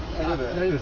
大丈夫？